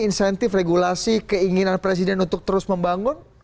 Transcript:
insentif regulasi keinginan presiden untuk terus membangun